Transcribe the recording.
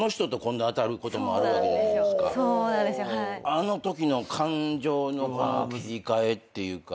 あのときの感情の切り替えっていうか。